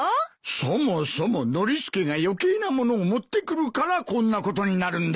そもそもノリスケが余計な物を持ってくるからこんなことになるんだ。